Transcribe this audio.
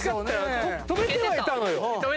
跳べてはいたのよ。